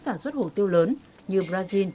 sản xuất hồ tiêu lớn như brazil